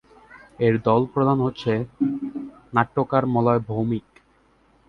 এর দল প্রধান হচ্ছেন নাট্যকার মলয় ভৌমিক।